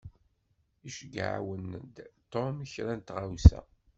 Iceyyeɛ-awen-d Tom kra n tɣawsa.